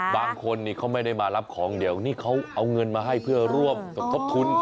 บางคนนี่เขาไม่ได้มารับของเดี๋ยวนี่เขาเอาเงินมาให้เพื่อร่วมสมทบทุน